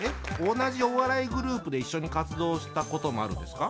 同じお笑いグループで一緒に活動したこともあるんですか？